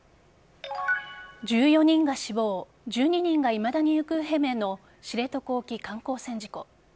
１４人が死亡１２人がいまだに行方不明の知床沖観光船事故。